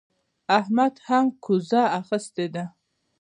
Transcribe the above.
احمد هم کوزه اخيستې ده.